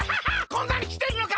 こんなにきてんのか！